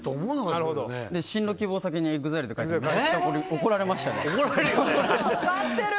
進路希望先にＥＸＩＬＥって書いたら怒られましたね。